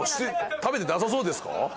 食べてなさそうですか？